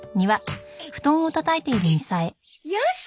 よし！